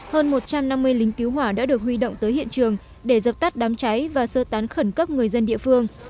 hơn một trăm năm mươi lính cứu hỏa đã được huy động tới hiện trường để dập tắt đám cháy và sơ tán khẩn cấp người dân địa phương